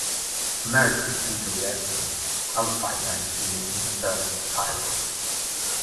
American Peter Revson qualified nineteenth in the third Tyrrell.